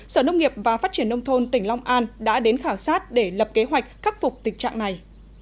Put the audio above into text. sở nông nghiệp và phát triển nông thôn tỉnh long an đã đến khảo sát để lập kế hoạch khắc phục tình trạng này